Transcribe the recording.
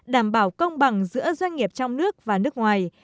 đảm bảo công bằng giữa doanh nghiệp trong nước và nước ngoài